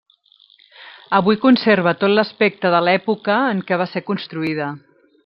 Avui conserva tot l'aspecte de l'època en què va ser construïda.